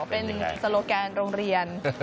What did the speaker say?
เป็นโซโลแกนโรงเรียน